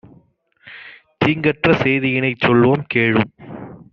தீங்கற்ற சேதியினைச் சொல்வோம், கேளும்!